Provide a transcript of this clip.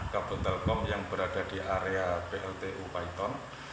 kabut telkom yang berada di area pltu paiton